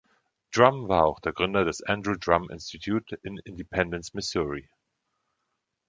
Drumm war auch der Gründer des Andrew Drumm Institute in Independence Missouri.